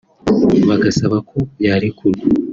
bagasaba ko yarekurwa